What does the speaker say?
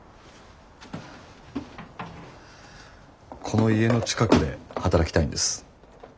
この家の近くで働きたいんです。